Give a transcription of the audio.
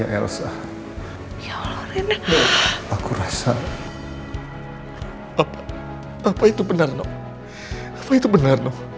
ya allah reina